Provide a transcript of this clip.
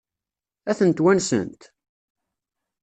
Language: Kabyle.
Ad tent-wansent?